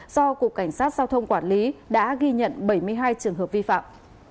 do cục cảnh sát giao thông quản lý đã ghi nhận bảy mươi hai trường hợp vi phạm